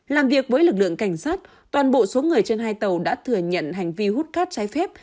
làm việc với lực lượng cảnh sát toàn bộ số người trên hai tàu đã thừa nhận hành vi hút cát trái phép